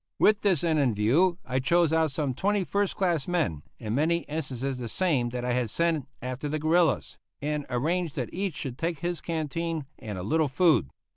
With this end in view I chose out some twenty first class men, in many instances the same that I had sent after the guerillas, and arranged that each should take his canteen and a little food.